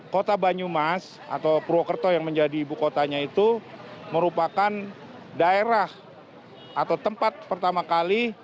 kota banyumas atau purwokerto yang menjadi ibu kotanya itu merupakan daerah atau tempat pertama kali